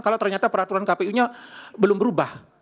kalau ternyata peraturan kpu nya belum berubah